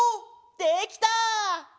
できた！